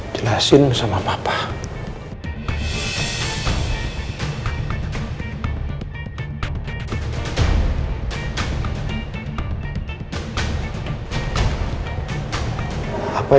jelasinnya samanya apa